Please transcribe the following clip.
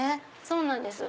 そうなんです。